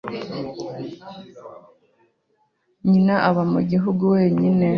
Nyina aba mu gihugu wenyine.